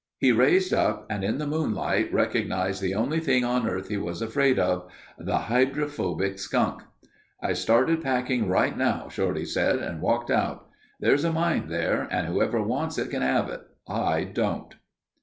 He raised up and in the moonlight recognized the only thing on earth he was afraid of—the "hydrophobic skunk." "I started packing right now," Shorty said, "and walked out. There's a mine there and whoever wants it can have it. I don't."